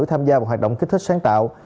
tham gia vào hoạt động kích thích sáng tạo